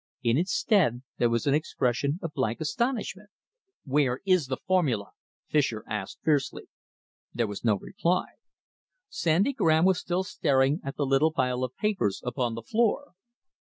In its stead there was an expression of blank astonishment. "Where is the formula?" Fischer asked fiercely. There was no reply. Sandy Graham was still staring at the little pile of papers upon the floor.